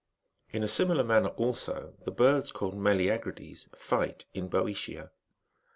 In a similar manner also, the birds called meleagrides^^ fight in Boeotia.